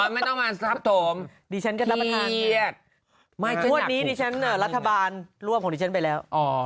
ไม่พูดนี้ดิฉันรัฐบาลร่วมของดิฉันไปแล้ว